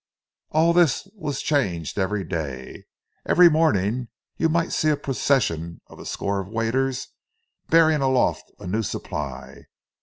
And all this was changed every day! Each morning you might see a procession of a score of waiters bearing aloft a new supply.